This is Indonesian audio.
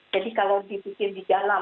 jadi kalau dipikir di dalam